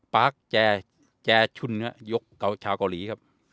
ปาร์คแจชุนยกชาวเกาหลีครับ